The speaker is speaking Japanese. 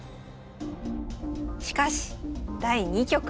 しかし第２局です。